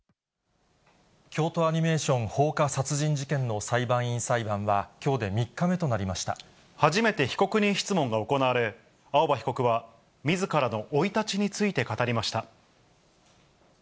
京都アニメーション放火殺人事件の裁判員裁判は、きょうで３初めて被告人質問が行われ、青葉被告は、みずからの生い立ちについて語りました。